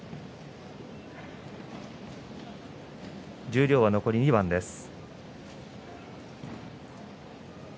十両は残り２番です。